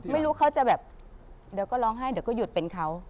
ไม่รู้เขาจะแบบเดี๋ยวก็ร้องไห้เดี๋ยวก็หยุดเป็นเขา